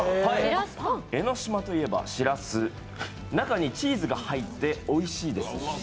江の島といえばしらす、中にチーズが入っておいしいです。